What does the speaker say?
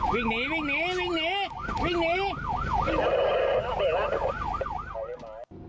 วิ่งหนีวิ่งหนีวิ่งหนีวิ่งหนี